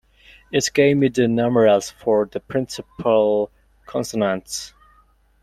It gave me the numerals for the principal consonants.